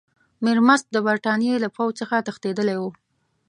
میرمست د برټانیې له پوځ څخه تښتېدلی وو.